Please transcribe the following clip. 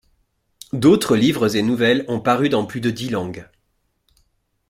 D'autres livres et nouvelles ont paru dans plus de dix langues.